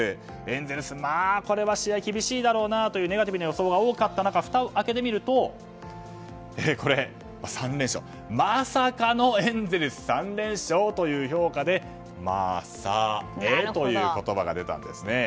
エンゼルス、まあこれは試合厳しいだろうなというネガティブな予想が多かった中ふたを開けてみると３連勝で、まさかのエンゼルス３連勝という評価で「まさエ」という言葉が出たんですね。